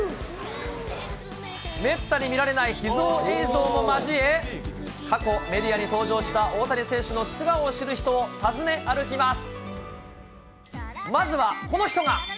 めったに見られない秘蔵映像も交え、過去、メディアに登場した、大谷選手の素顔を知る人を訪ね歩きます。